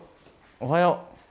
おはよう。